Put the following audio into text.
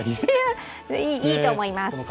いいと思います！